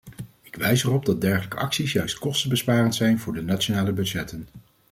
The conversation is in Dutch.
Ik wijs erop dat dergelijke acties juist kostenbesparend zijn voor de nationale budgetten.